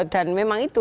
dan memang itu